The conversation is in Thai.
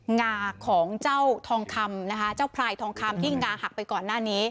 งาของเจ้าทองคำนะคะเจ้าพลายทองคำที่งาหักไปก่อนหน้านี้